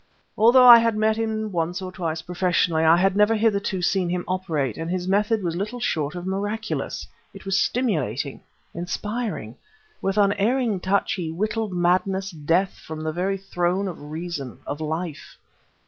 Although I had met him once or twice professionally, I had never hitherto seen him operate; and his method was little short of miraculous. It was stimulating, inspiring. With unerring touch he whittled madness, death, from the very throne of reason, of life.